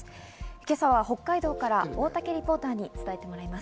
今朝は北海道から大竹リポーターに伝えてもらいます。